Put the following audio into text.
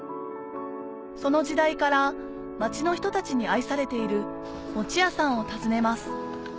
その時代から町の人たちに愛されている餅屋さんを訪ねます